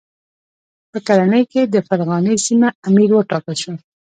په کلنۍ کې د فرغانې سیمې امیر وټاکل شو.